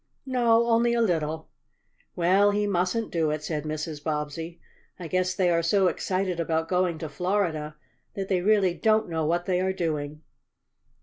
"No, only a little." "Well, he mustn't do it," said Mrs. Bobbsey. "I guess they are so excited about going to Florida that they really don't know what they are doing."